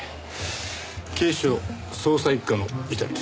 警視庁捜査一課の伊丹です。